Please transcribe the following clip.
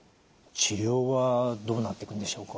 治療はどうなっていくんでしょうか？